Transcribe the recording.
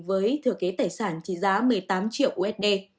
với thừa kế tài sản trị giá một mươi tám triệu usd